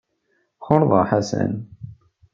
Xulḍeɣ Ḥasan.